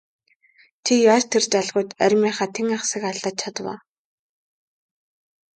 Чи яаж тэр жаал хүүд армийнхаа тэн хагасыг алдаж чадав?